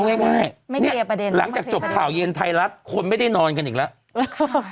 เอาง่ายหลังจากจบข่าวเย็นไทยรัฐคนไม่ได้นอนกันอีกแล้ว